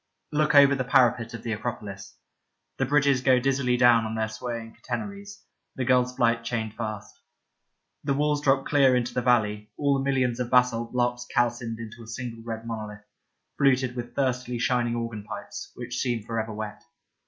Look over the parapet of the Acropolis. The bridges go dizzily down on their swaying catenaries, the gull's flight chained fast. The walls drop clear into the valley, all the millions of basalt blocks calcined into a single red monolith, fluted with thirstily shining organ pipes, which seem for ever wet.